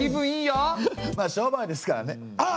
まあ商売ですからねあっ！